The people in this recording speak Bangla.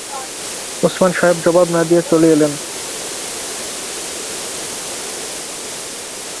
ওসমান সাহেব জবাব না দিয়ে চলে এলেন।